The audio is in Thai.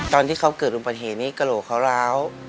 ตอนที่เขาเกิดอุบัติเหตุนี้กระโหลกเขาร้าว